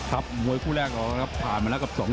ครับม้วยคู่แรกพลาดมาแล้วกันสองยก